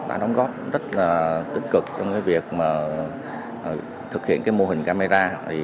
đã đóng góp rất là tích cực trong việc thực hiện mô hình camera